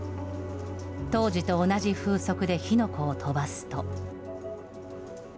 当時と同じ風速で火の粉を飛ばすと。